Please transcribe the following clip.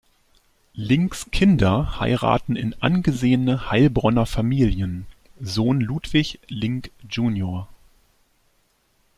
Links Kinder heiraten in angesehene Heilbronner Familien: Sohn Ludwig Link jr.